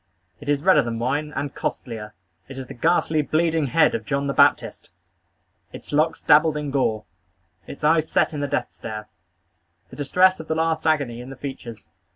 It is redder than wine, and costlier. It is the ghastly, bleeding head of John the Baptist! Its locks dabbled in gore. Its eyes set in the death stare. The distress of the last agony in the features.